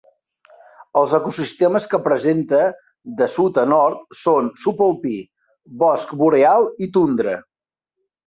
Els ecosistemes que presenta, de sud a nord, són subalpí, bosc boreal i tundra.